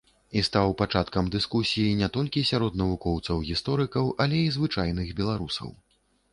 І стаў пачаткам дыскусіі не толькі сярод навукоўцаў-гісторыкаў, але і звычайных беларусаў.